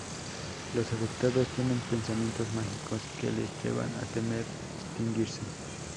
Los afectados tienen pensamientos mágicos, que les llevan a temer extinguirse.